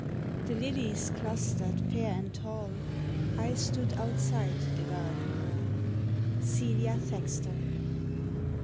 The lilies clustered fair and tall; I stood outside the garden wall. _Celia Thaxter.